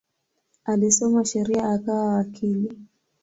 Alisoma sheria akawa wakili.